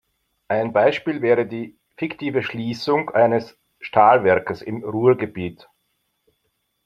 Ein Beispiel wäre die fiktive Schließung eines Stahlwerkes im Ruhrgebiet.